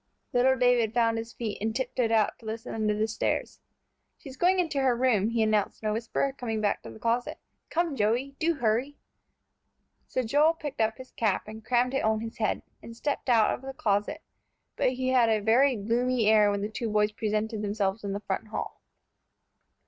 Little David found his feet and tiptoed out to listen under the stairs. "She's going into her room," he announced in a whisper, coming back to the closet. "Come, Joey, do hurry." So Joel picked up his cap and crammed it on his head, and stepped out of the closet, but he had a very gloomy air when the two boys presented themselves in the front hall.